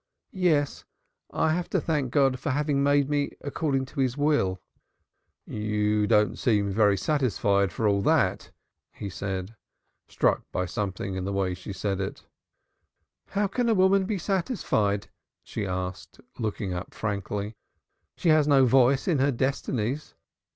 "Yes, I have to thank God for having made me according to His will." "You don't seem satisfied for all that," he said, struck by something in the way she said it. "How can a woman be satisfied?" she asked, looking up frankly. "She has no voice in her destinies.